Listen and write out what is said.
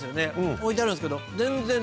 置いてあるんですけど全然。